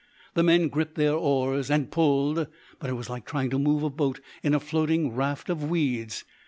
The men gripped their oars and pulled, but it was like trying to move a boat in a floating raft of weeds.